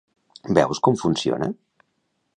Veus com funciona?